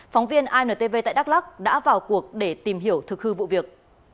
phóng viên intv tại đắk lắc đã vào cuộc để tìm hiểu thực hư vụ việc